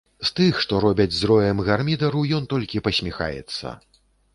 З тых, што робяць з роем гармідару, ён толькі пасміхаецца.